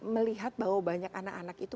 melihat bahwa banyak anak anak itu